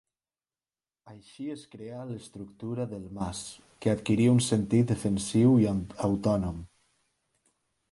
Així es creà l'estructura del mas, que adquirí un sentit defensiu i autònom.